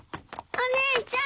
お姉ちゃん。